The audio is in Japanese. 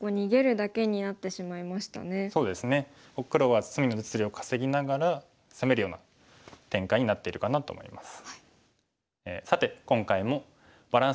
黒は隅の実利を稼ぎながら攻めるような展開になってるかなと思います。